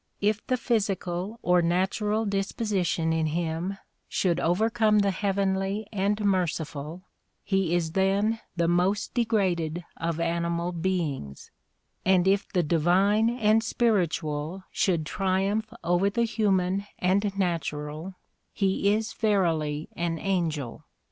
If the physical or natural disposition in him should overcome the heavenly and merciful he is then the most degraded of animal be ings; and if the divine and spiritual should triumph over the human and natural he is verily an angel.